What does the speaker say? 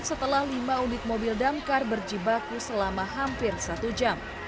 setelah lima unit mobil damkar berjibaku selama hampir satu jam